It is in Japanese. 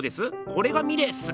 これがミレーっす。